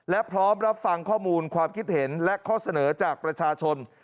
และพร้อมรับฟังข้อมูลความคิดเห็นและข้อเสนอจากประชาชน